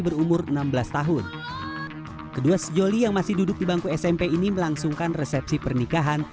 berumur enam belas tahun kedua sejoli yang masih duduk di bangku smp ini melangsungkan resepsi pernikahan